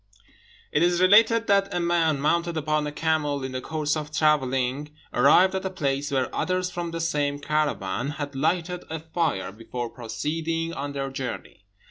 It is related that a man, mounted upon a camel, in the course of travelling arrived at a place where others from the same caravan had lighted a fire before proceeding on their journey.